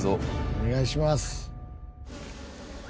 「お願いします」